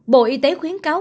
bộ y tế khuyến cáo